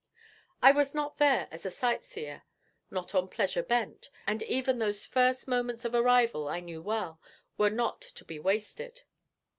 I was not there as a sight seer, not on pleasure bent, and even those first moments of arrival, I knew well, were not to be wasted.